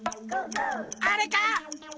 あれか？